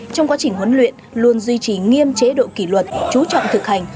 trong quá trình huấn luyện luôn duy trì nghiêm chế độ kỷ luật chú trọng thực hành